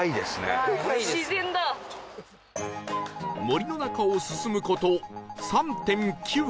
森の中を進む事 ３．９ キロ